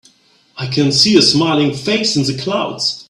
I can see a smiling face in the clouds.